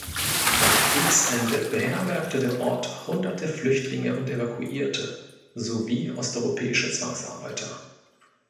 Bei Kriegsende beherbergte der Ort hunderte Flüchtlinge und Evakuierte sowie osteuropäische Zwangsarbeiter.